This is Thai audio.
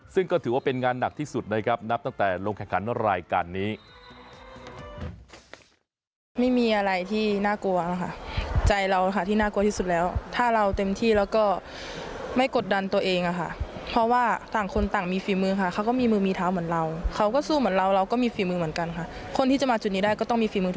ซึ่งก็ถือว่าเป็นงานหนักที่สุดนะครับนับตั้งแต่ลงแข่งขันรายการนี้